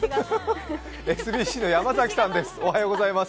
ＳＢＣの山崎さんです。